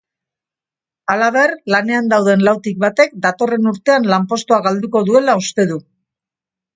Halaber, lanean dauden lautik batek datorren urtean lanpostua galdutako duela uste du.